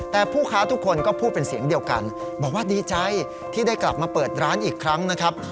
แต่ผู้ค้าทุกคนก็พูดเป็นเสียงเดียวกันบอกว่าดีใจที่ได้กลับมาเปิดร้านอีกครั้งนะครับ